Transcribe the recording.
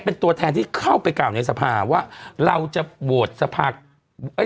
เป็นตัวแทนที่เข้าไปกล่าวในสภาว่าเราจะโหวตสภาเอ้ย